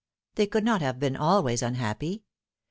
They could not have been always unhappy.